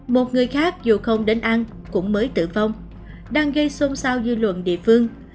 một người khác dù không đến ăn cũng mới tử vong đang gây xôn xao dư luận địa phương